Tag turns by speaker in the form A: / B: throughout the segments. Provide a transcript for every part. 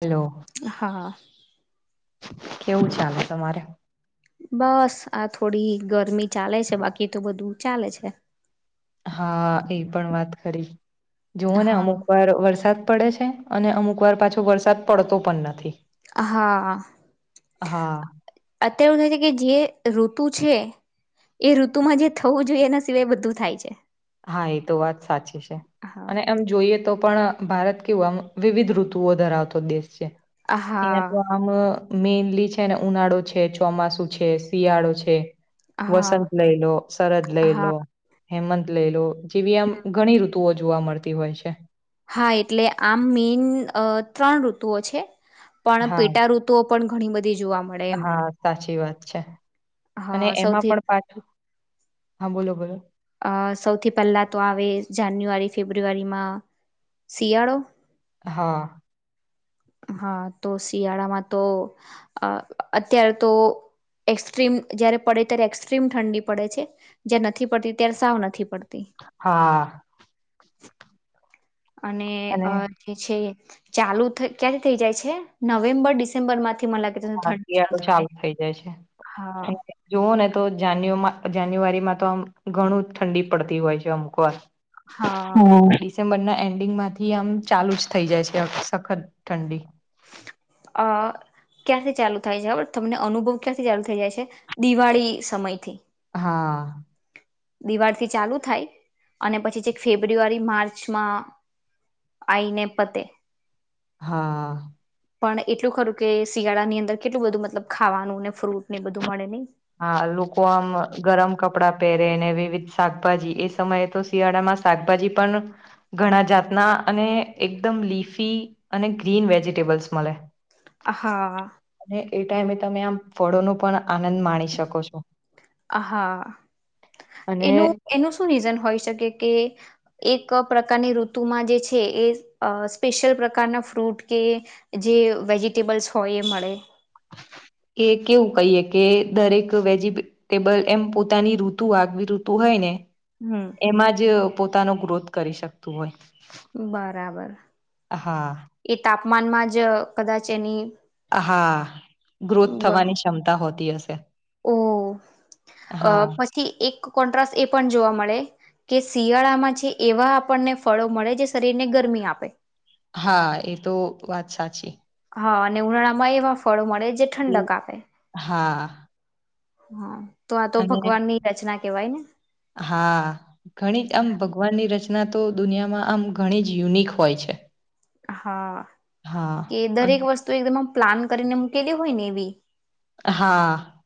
A: Hello!
B: હા.
A: કેવું ચાલે તમારે.
B: બસ આ થોડી ગરમી ચાલે છે. બાકી તો બધું ચાલે છે.
A: હા એ પણ વાત ખરી. જોવો ને અમુક
B: હા.
A: વાર વરસાદ. પડે છે અને અમુક વાર પાછો વરસાદ પડતો પણ નથી.
B: હા!
A: હા
B: અત્યારે એવું થાય છે કે જે રત ઋતુ છે એ ઋતુમાં જે થવું જોઈએ એના સિવાય બધું થાય છે.
A: હા એ તો વાત સાચી છે.
B: હા.
A: અને એમ જોઈએ તો પણ ભારત કેવુ આમ વિવિધ ઋતુઓ ધરાવતો દેશ છે. અહિયાં
B: હા
A: તો આમ. મેઈનલી છે, ને ઉનાળો છે, ચોમાસુ છે, શિયાળો છે.
B: હા
A: વસંત લઈ લો, સરરદ લઈ
B: હા
A: લો, હેમંત લઈ લો, જેવી આમ ઘણી ઋતુઓ જોવા મળતી હોય છે.
B: હા એટલે આમ મેન ત્રણ ઋતુઓ છે. પણ
A: હા
B: પેટા ઋતુઓ પણ ઘણી બધી જોવા મળે એમ
A: હા સાચી વાત છે. અને
B: અ
A: એમાં
B: સૌથી
A: પણ પાછું હા બોલો બોલો.
B: અ સૌથી પહેલા તો આવે જાન્યુઆરી ફેબ્રુઆરીમા શિયાળો.
A: હા.
B: હા તો શિયાળામાં તો અત્યારે તો. એક્સ્ટ્રીમ જયારે પડે ત્યારે એક્સ્ટ્રીમ ઠંડી પડે છે. જ્યાં નથી પડતી ત્યારે સાવ નથી પડતી
A: હા.
B: અને અ જે છે ચાલુ ક્યાંથી થઈ જાય છે નવેમ્બર ડિસેમ્બર માંથી મને લાગે છે
A: હા
B: ઠંડી
A: શિયાળો ચાલુ
B: થાય
A: થઇ જાય છે
B: હા
A: અને જોવું ને તો જાન્યુ જાન્યુઆરીમાં તો આમ ઘણું ઠંડી પડતી હોય છે અમુક વાર.
B: હા
A: હમ્મ. ડિસેમ્બરના એન્ડિંગ માંથી આમ ચાલુ જ થઈ જાય છે સખત ઠંડી.
B: અ ક્યાંથી ચાલુ થાય છે ખબર તમને અનુભવ ક્યાંથી ચાલુ થઈ જાય છે દિવાળી સમયથી.
A: હા.
B: દિવાળીથી ચાલુ થાય અને પછી ચેખ ફેબ્રુઆરી માર્ચમાં આઈને પતે.
A: હા.
B: પણ એટલું ખરું કે શિયાળાની અંદર કેટલું બધું મતલબ ખાવાનું ને ફ્રૂટ ને બધું મળે નહી.
A: હા લોકો આમ ગરમ કપડા પહેરેને વિવિધ શાકભાજી એ સમયે તો શિયાળામાં શાકભાજી પણ ઘણા જાતના અને એકદમ લીફી અને ગ્રીન વેજીિટેબલ્સ મળે.
B: હા.
A: અને એ ટાઈમે તમે આમ ફળોનું પણ આનંદ માણી શકો છો.
B: હા
A: અને
B: એનું એનું શું રીઝન હોય શકે કે એક પ્રકારની ઋતુમાં જે છે એ સ્પેશિયલ પ્રકારના ફ્રૂટ કે જે વેજીિટેબલ્સ હોય એ મળે.
A: એ કેવું કહીએ કે દરેક વેજીિટેબલ એમ પોતાની ઋતુ આગવી ઋતુ હોય ને
B: હમ
A: એમાં જ પોતાનો ગ્રોથ કરી શકતું હોય.
B: બરાબર
A: હા
B: એ તાપમાનમાં જ કદાચ એની
A: હા ગ્રોથ
B: બ
A: થવાની ક્ષમતા હોતી હશે.
B: ઓ અ
A: હા
B: પછી એક કોન્ટ્રાસ એ પણ જોવા મળે. કે શિયાળામાં છે એવા આપણને ફળો મળે જે શરીરને ગરમી આપે.
A: હા એ તો વાત સાચી.
B: હા અને ઉનાળામાં એમાં ફળો મળે જે ઠંડક આપે.
A: હા
B: હા તો આ તો
A: અને
B: ભગવાનની રચના કેવાય ને.
A: હા ઘણી આમ ભગવાનની રચ ના તો દુનિયામાં આમ ઘણી જ યુનિક હોય છે.
B: હા
A: હા
B: કે
A: અન
B: દરેક વસ્તુ એકદમ પ્લાન કરીને મૂકેલી હોય ને એવી.
A: હા.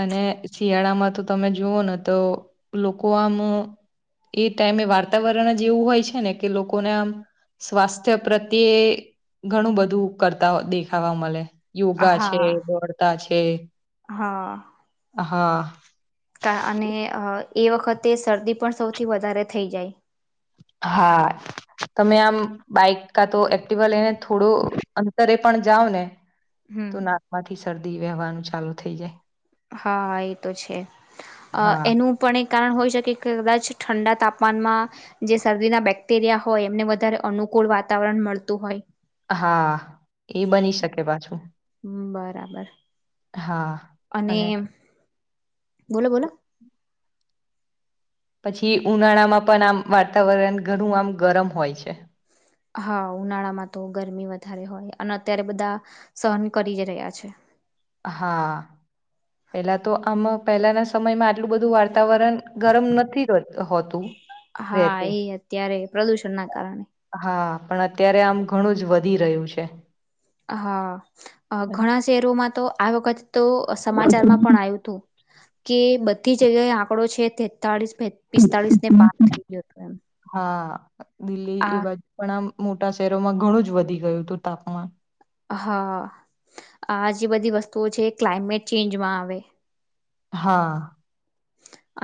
A: અને શિયાળામાં તો તમે જુઓ ને તો લોકો આમ એ ટાઈમે વાર્તાવરણ જ એવું હોય છે ને કે લોકોને આમ સ્વાસ્થ્ય પ્રત્યે ઘણું બધું કરતા દેખાવા મળે. યોગા છે
B: હા
A: દોડતા છે.
B: હા
A: હા.
B: કા અને એ વખતે શરદી પણ સૌથી વધારે થઈ જાય.
A: હા. તમે આમ બાઈક કા તો એક્ટવા લઈને થોડું અંતરે પણ જાાવ ને. તો
B: હમ
A: નાકમાંથી શરદી વહેવાનું ચાલુ થઇ જાય.
B: હા એ તો છે
A: હા
B: એનું પણ એક કારણ હોય શકે કદાચ ઠંડા તાપમાનમાં જે શરદીના બેક્ટેરિયા હોય એમને વધારે અનુ કુળ વાતાવરણ મળતું હોય.
A: હા એ બની શકે પાછું.
B: બરાબર
A: હા અને
B: બોલો બોલો.
A: પછી ઉનાળામાં પણ આમ વાતાવરણ ઘણું આમ ગરમ હોય છે
B: હા ઉનાળામાં તો ગરમી વધારે હોય અને અત્યારે બધા સહન કરી જ રહ્યા છે.
A: હા! પેલા તો આમ પહેલાના સમયમાં આટલું બધું વાર્ત વાતાવરણ ગરમ નથી હોતું.
B: હા
A: રહેતું
B: એ અત્યારે પ્રદુષણ ના કારણે
A: હા પણ, અત્યારે આમ ઘણું જ વધી રહ્યું છે.
B: હા ઘણા શહેરોમાં તો આ વખત તો સમાચારમાં પણ આવ્યું હતું. કે બધી જગ્યાએ આંકડો છે તેતાળસ પિસ્તાળીસ ને પાર થઈ ગયો હતો. એમ
A: હા દિલ્હી એ
B: આ
A: બાજુ પણ આ મોટા શહેરોમાં ઘણું જ વધી ગયું હતું તાપમાન
B: હા!, આ જે બધી વસ્તુઓ છે એ ક્લાઇમેટ ચેન્જમાં આવે.
A: હા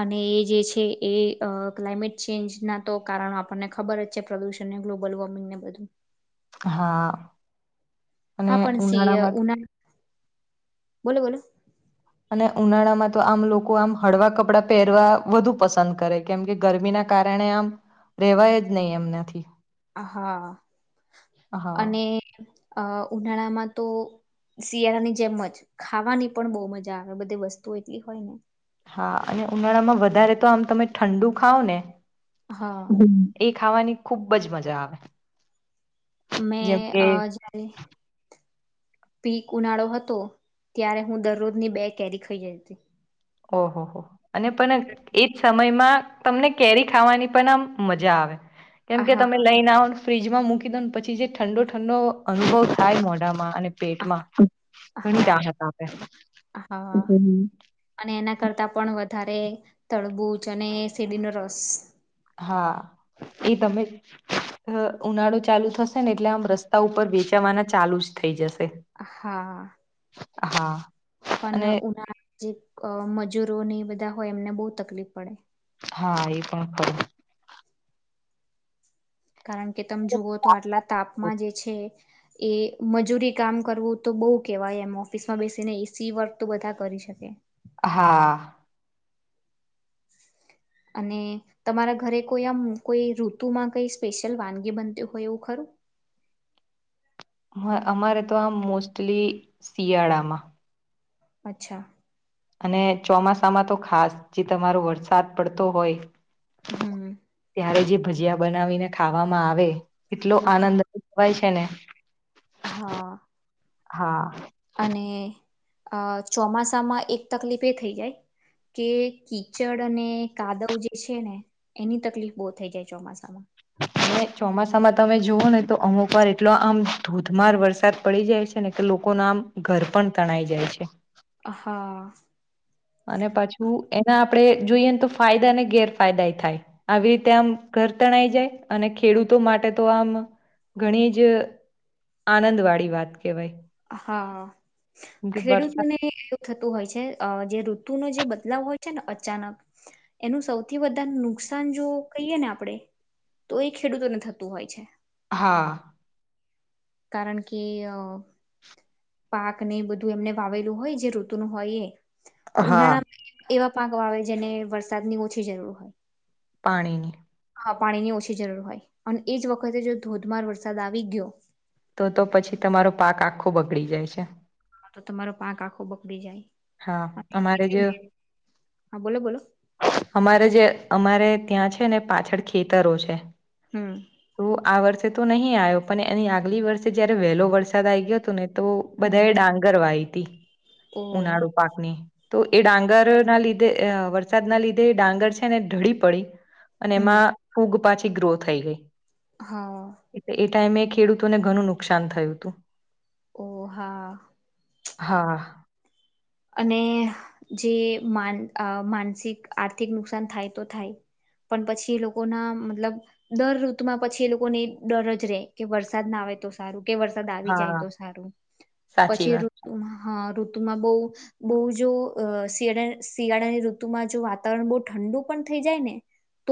B: અને એ જે છે એ ક્લાયમેટ ચેન્જ ના તો કારણો આપણને ખબર જ છે. પ્રદુષણને ગ્લોબલ વોર્મિંગ ને બધું
A: હા અને
B: હા પણ સી
A: ઉનાળામાં
B: ઉના બોલો બોલો
A: અને ઉનાળા માં તો આમ લોકો આમ હળવા કપડા પહેરવા વધુ પસંદ કરે. કેમકે, ગરમીના કારણે આમ રેવાય જ નહી એમનાથી.
B: હા
A: હા
B: અને અ ઉનાળામાં તો શિયાળાની જેમ જ ખાવાની પણ બહુ મજા આવે બધી વસ્તુ એટલી હોય ને
A: હા અને ઉનાળામાં વધારે તો આમ તમે ઠંડુ ખાાવ
B: હા
A: ને ખાવાની ખુબ જ મજા આવે.
B: મેં
A: જેમ કે
B: આજ પીક ઉનાળો હતો. ત્યારે, હું દરરોજની બે કેરી ખઇ જઈ હતી.
A: ઓહો હો અને પણ એજ સમયમાં તમને કેરી ખાવાની પણ આમ મજા આવે. કેમકે,
B: હા
A: તમે લઈને આવ ફ્રીજમાં મૂકી દોને પછી જે ઠંડો ઠંડો અનુભવ થાય મોઢામાં અને પેટમાં ઘણી
B: હા
A: રાહત આપે.
B: હા અને એના કરતા પણ વધારે તળબુજ અને શેરડીનો રસ
A: હા! એ તમે ઉનાળો ચાલુ થશે ને એટલે આમ રસ્તા ઉપર વેચાવાના ચાલુ જ થઈ જશે.
B: હા
A: હા
B: પણ
A: અને
B: ઉના જે મજૂરોને એ બધા હોય એમને બહુ તકલીફ પડે.
A: હા, એ પણ ખરું
B: કારણ કે, તમે જુઓ તો આટલા તાપમાં જે છે. એ મજૂરી કામ કરવું તો બહુ કેહેવાય એમ ઓફિસમાં બેસીને એસી વર્ક તો બધા કરી શકે.
A: હા
B: અને તમારા ઘરે કોઈ આમ કોઈ ઋતુમાં કઈ સ્પેશિયલ વાનગી બનતી હોય એવું ખરું?
A: અમારે તો આમ મોસ્ટલી શિયાળામાં
B: અચ્છા.
A: અને ચોમાસામાં તો ખાસ જે તમારો વરસાદ પડતો હોય
B: હમ
A: તારે જે ભજીયા બનાવીને ખાવામાં આવે. એટલો
B: હા
A: આનંદવાય છે ને!
B: હા
A: હા
B: અને અ ચોમાસામાં એક તકલીફ એ થઇ જાય કે કીચડ અને કાદવ જે છે ને, એની તકલીફ બહુ થઈ જાય ચોમાસામાં.
A: હ [unintelligible] ને ચોમાસામાં તમે જુઓ ને તો અમુક વાર એટલો આમ ધોધમાર વરસાદ પડી જાય છે ને કે લોકો નામ ઘર પણ તણાઈ જાય છે
B: હા.
A: અને પાછું એના આપડે જોઈએ ને તો ફાયદા ને ગેરફાયદા ય થાય આવી રીતે આમ ઘર તણાઈ જાય અને ખેડૂતો માટે તો આમ ઘણી જ આનંદ વાળી વાત કહેવાય
B: હા
A: કેમ કે વરસાદ
B: ખેડૂતોને એવું થતું હોય છે અ જે ઋતુનો જે બદલાવ હોય છે ને અચાનક એનું સૌથી વધારે નુકસાન જો કહીએ ને આપણે તો એ ખેડૂતોને થતું હોય છે.
A: હા.
B: કારણ કે અ.. પાક ને એ બધું એમને વાવેલું હોય જે ઋતુનું હોય એ.
A: હા
B: ઉનાળા એવા પાંક આવે જેને વરસાદની ઓછી જરૂર.
A: પાણી.
B: હા પાણીની ઓછી જરૂર હોય અને એજ વખતે જો ધોધમાર વરસાદ આવી ગયો.
A: તો-તો પછી તમારો પાક આખો બગડી જાય છે.
B: તો તમારો પાંક આખો બગડી જાય.
A: હા અમારે જ.
B: હા બોલો બોલો
A: [inaudible] અમારે જે અમારે ત્યાં છ છે ને પાછળ ખેતરો છે
B: હમ
A: તો આ વર્ષે તો નહીં આવ્યો પણ એની આગલી વર્ષે જયારે વહેલો વરસાદ આઈ ગયો હતો ને તો
B: હમ
A: બધાએ ડાંગર વાય પી.
B: ઓ
A: ઉનાળો પાકની. તો એ ડાંગર ના લીધે અ વરસાદના લીધે એ ડાંગર છે ને ઢળી પડી. અને
B: હમ
A: એમાં ફૂગ પાછી ગ્રો થઈ ગઈ.
B: હા.
A: એટલે એ ટાઈમે ખેડૂતોને ઘણું નુકસાન થયું તું.
B: ઓ હા.
A: હા.
B: અને જે માન અ માનસિક આર્થિક નુકસાન થાય તો થાય. પણ પછી એ લોકો ના મતલબ દર ઋતુમાં પછી એ લોકોને ડર જ રહે કે વરસાદ ના આ તો સારું કે વરસાદ આવી જાય
A: હા
B: તો સારું
A: સાચી
B: પછી
A: વાત છે.
B: ઋતુમાં હ ઋતુમાં બો બહુ જો અ શિયાળા શિયાળાની ઋતુમાં જો વાતાવરણ બો ઠંડુ પણ થઈ જાય ને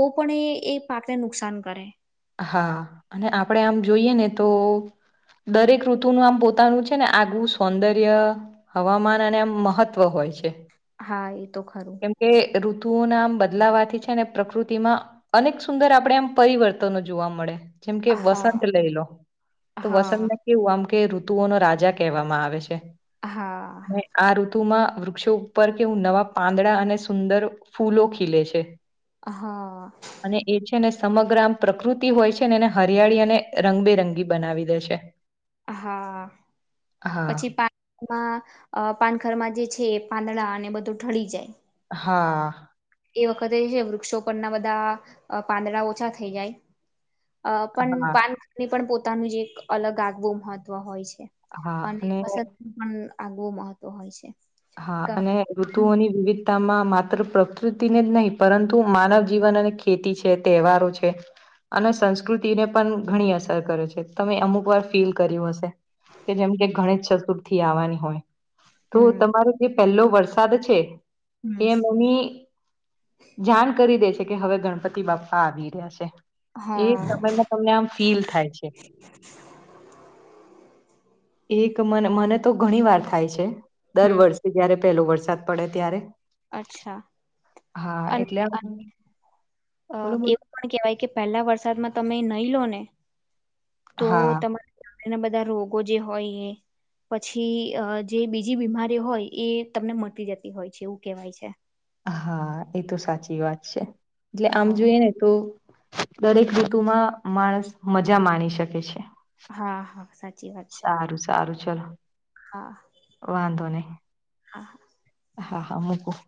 B: તો પણ એ એ પાકને નુકસાન કરે.
A: હા અને આપડે આમ જોઈએ ને તો દરેક ઋતુનું આમ પોતાનું છે ને આગવું સૌંદર્ય હવામાન અને આમ મહત્વ હો હોય છે.
B: હા એ તો ખરું
A: કેમ કે રૂ [unintelligible] ના આમ બદલાવાથી છે અને પ્રકૃતિમાં અનેક સુંદર આપણે આમ પરિવર્તનો જોવા મળે. જેમ કે
B: હા
A: વસંત લઈ લો તો
B: હા
A: વસંતને કેવું આમ કે ઋ તુઓનો રાજા કહેવામાં આવે છે.
B: હા.
A: તુમાં વૃક્ષો ઉપર કેવું નવા પાંદડા અને સુંદર ફૂલો ખીલે છે.
B: હા.
A: અને એ છે ને સમગ્ર આમ પ્રકૃતિ હોય છે ને એને હરિયાળી અને રંગબેરંગી બનાવી દે છે.
B: હા
A: હા
B: પછી પાન માં અ પાનખરમાં જે છે પાંદડાં અને બધું ઠળી જાય.
A: હા.
B: એ વખતે છે વૃક્ષો પરના બધા અ પાંદડા ઓછા થઈ જાય. અ પણ
A: હા
B: પાનખને પણ પોતાનું, જ એક અલગ આગવું મહત્વ હોય છે. અને પસનુ પણ આગવો મહતોવ હોય છે.
A: હા,
B: ક
A: અને ઋતુઓની વિવિધતામાં માત્ર પ્રકૃતિને જ નહી, પરંતુ માનવ જીવન અને ખેતી છે, તહેવારો છે. અને સંસ્કૃતિને પણ ઘણી અસર કરે છે, તમે અમુક વાર ફીલ કર્યું હશે કે જેમ કે ગણ ચતુર થી, આવવાની હોય તો
B: હમ્મ.
A: તમારો જે પહેલો વરસાદ છે, એ મમ્મી જાણ કરી દેશે કે હવે, ગણપતિ બાપા આવી રહ્યા છે. એ
B: હા
A: સમયમાં, તમને આમ ફીલ થાય છે. એક મ મને, તો ઘણી વાર થાય છે, દર
B: હમ
A: વર્ષે જયારે પેલો વરસાદ પડે ત્યારે
B: અચ્છા
A: હા,
B: અને
A: એટલે
B: અ
A: બોલો બોલો
B: એવું પણ કેહેવાય, કે પહેલા વરસાદમાં તમે નહી, લો ને તો
A: હા
B: તમારા એના બધા રોગો જે, હોય એ પછી જે બીજી બીમારીઓ હોય, એ તમને મળટી જતી હોય છે, એવું કેહેવાય છે.
A: હા, એ તો સાચી વાત છે, એટલે આમ
B: હા
A: જોઈએ ને તો દરેક ઋતુમા માણસ મજા, માણી શકે છે.
B: હા, હા સાચી વાત છે.
A: ચાલ, વાંધો ન
B: હહા
A: હા, હા મકોું